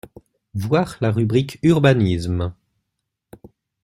Voir la rubrique urbanisme.